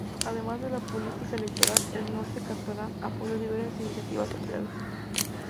Además de la política electoral, "El Norte Catalán" apoyó diversas iniciativas sociales.